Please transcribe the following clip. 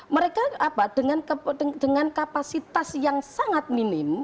mereka dengan kapasitas yang sangat minim